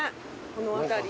この辺り。